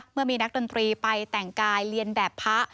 เมื่อมีนักดนตรีไปแต่งกายเรียนแบบพระ